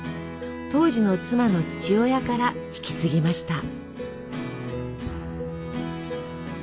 当時の妻の父親から引き継ぎました。